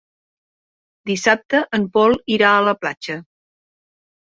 Dissabte en Pol irà a la platja.